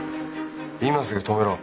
今すぐ止めろ。